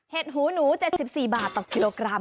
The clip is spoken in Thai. หูหนู๗๔บาทต่อกิโลกรัม